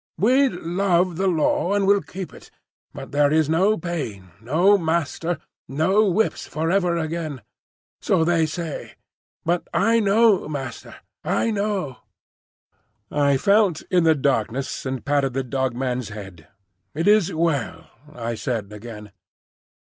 We love the Law, and will keep it; but there is no Pain, no Master, no Whips for ever again.' So they say. But I know, Master, I know." I felt in the darkness, and patted the Dog man's head. "It is well," I said again.